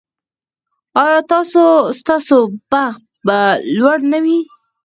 ایا ستاسو بخت به لوړ نه وي؟